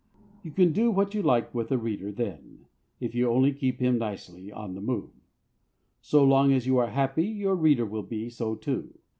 You can do what you like with a reader then, if you only keep him nicely on the move. So long as you are happy your reader will be so too.